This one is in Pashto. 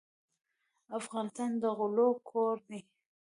افغانستان د غلو کور دی.